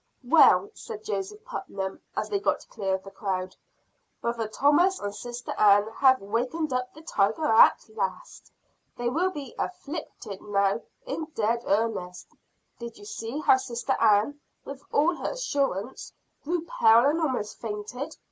"Well," said Joseph Putnam, as they got clear of the crowd, "brother Thomas and sister Ann have wakened up the tiger at last. They will be "afflicted" now in dead earnest. Did you see how sister Ann, with all her assurance, grew pale and almost fainted?